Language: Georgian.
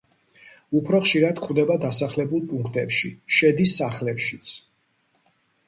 უფრო ხშირად გვხვდება დასახლებულ პუნქტებში, შედის სახლებშიც.